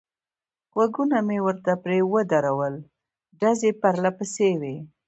غوږونه مې ورته پرې ودرول، ډزې پرله پسې وې.